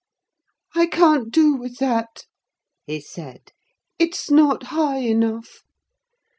"I can't do with that," he said; "it's not high enough."